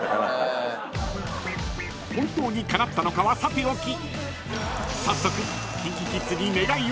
［本当に叶ったのかはさておき早速］